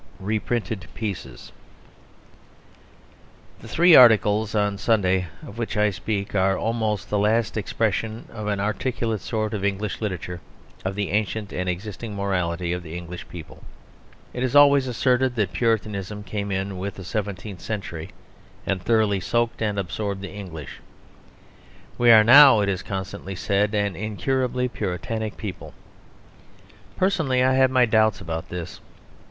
REPRINTED PIECES The three articles on Sunday of which I speak are almost the last expression of an articulate sort in English literature of the ancient and existing morality of the English people. It is always asserted that Puritanism came in with the seventeenth century and thoroughly soaked and absorbed the English. We are now, it is constantly said, an incurably Puritanic people. Personally, I have my doubts about this.